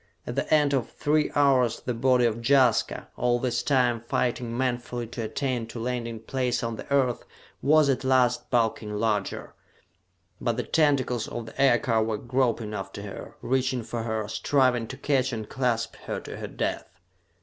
At the end of three hours the body of Jaska, all this time fighting manfully to attain to landing place on the Earth, was at last bulking larger; but the tentacles of the aircar were groping after her, reaching for her, striving to catch and clasp her to her death.